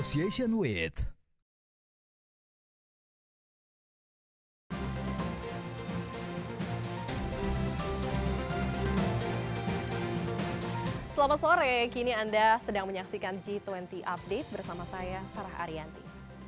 selamat sore kini anda sedang menyaksikan g dua puluh update bersama saya sarah ariyanti